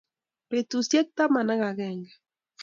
Petusyek taman ak agenge.